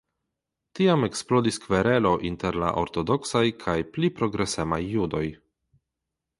Tiam eksplodis kverelo inter la ortodoksaj kaj pli progresemaj judoj.